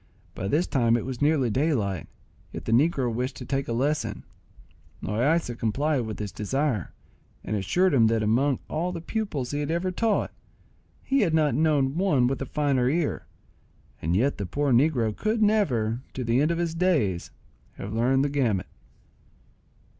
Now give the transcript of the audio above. By this time it was nearly daylight, yet the negro wished to take a lesson. Loaysa complied with his desire, and assured him that among all the pupils he had ever taught, he had not known one with a finer ear; and yet the poor negro could never, to the end of his days, have learned the gamut.